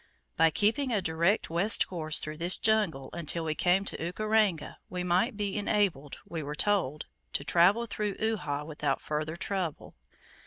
By keeping a direct west course through this jungle until we came to Ukaranga we might be enabled we were told to travel through Uhha without further trouble.